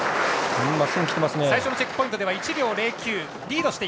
最初のチェックポイントでは１秒０９のリード。